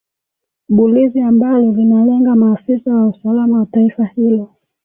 bulizi ambalo linalenga maafisa wa usalama wa taifa hilo